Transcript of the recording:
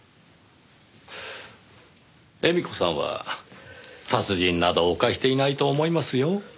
絵美子さんは殺人など犯していないと思いますよ。